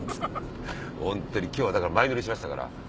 ホントに今日はだから前乗りしましたから。